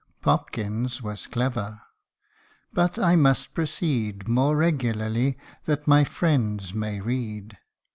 (Popkins was clever) but I must proceed More regularly, that my friends may read.